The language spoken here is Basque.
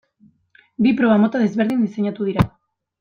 Bi proba mota desberdin diseinatu dira.